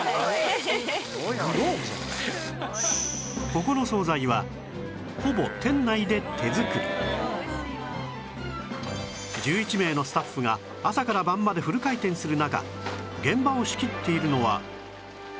ここの１１名のスタッフが朝から晩までフル回転する中現場を仕切っているのは